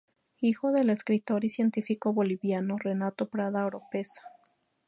Hijo del escritor y científico boliviano Renato Prada Oropeza.